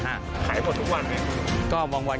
ขายหมดทุกวันไหม